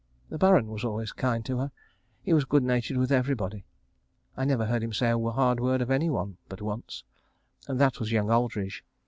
The Baron was always kind to her. He was good natured with everybody. I never heard him say a hard word of any one but once. That was of young Aldridge.